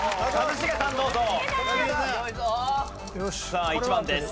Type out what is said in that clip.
さあ１番です